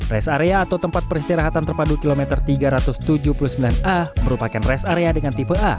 rest area atau tempat peristirahatan terpadu kilometer tiga ratus tujuh puluh sembilan a merupakan rest area dengan tipe a